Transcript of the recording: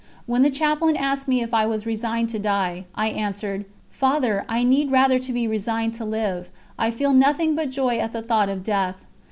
When the Chaplain asked me if I was resigned to die, I answered: 'Father, I need rather to be resigned to live I feel nothing but joy at the thought of death.'